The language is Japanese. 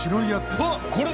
あっこれだ！